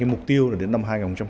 mục tiêu là đến năm hai nghìn hai mươi